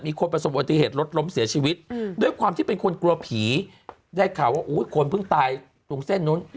คนประสบปฏิเหตุรถล้มเสียชีวิตด้วยความที่เป็นคนกลัวผีได้ข่าวว่าคนเพิ่งตายตรงเส้นนู้น